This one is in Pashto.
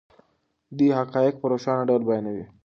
دی حقایق په روښانه ډول بیانوي.